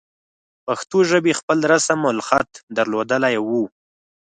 پښتو ژبې خپل رسم الخط درلودلی وو.